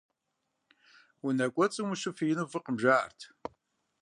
Унэ кӀуэцӀым ущыфиину фӀыкъым, жаӀэрт.